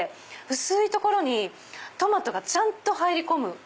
薄い所にトマトがちゃんと入り込む。